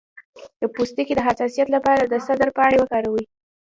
د پوستکي د حساسیت لپاره د سدر پاڼې وکاروئ